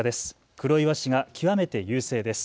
黒岩氏が極めて優勢です。